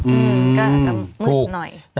อืมก็อาจจะมืดหน่อย